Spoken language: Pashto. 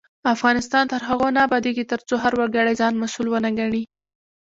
افغانستان تر هغو نه ابادیږي، ترڅو هر وګړی ځان مسؤل ونه ګڼي.